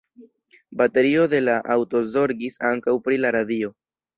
Baterio de la aŭto zorgis ankaŭ pri la radio.